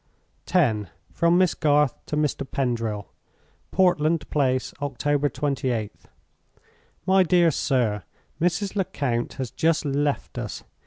X. From Miss Garth to Mr. Pendril. "Portland Place, October 28th. "MY DEAR SIR, "Mrs. Lecount has just left us.